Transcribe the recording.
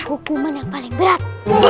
hukuman yang paling berat